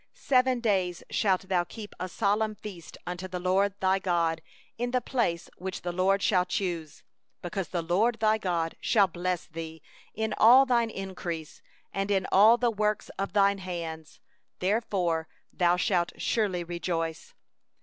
15Seven days shalt thou keep a feast unto the LORD thy God in the place which the LORD shall choose; because the LORD thy God shall bless thee in all thine increase, and in all the work of thy hands, and thou shalt be altogether joyful.